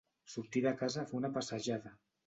Sortir de casa a fer una passejada.